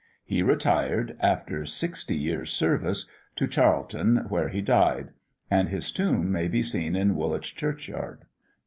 He retired, after sixty years service, to Charlton, where he died; and his tomb may be seen in Woolwich church yard.